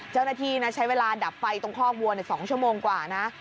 เจ้าหน้าที่ใช้เวลาดับไฟตรงคอกวัว๒ชั่วโมงกว่านะ